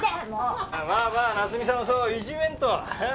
まあまあ夏海さんをそういじめんと。